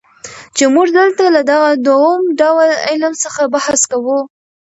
چي موږ دلته له دغه دووم ډول علم څخه بحث کوو.